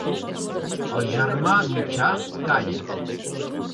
El germà mitjà calla.